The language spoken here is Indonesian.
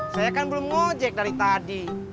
saya kan belum ngojek dari tadi